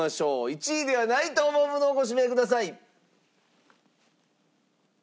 １位ではないと思うものをご指名ください。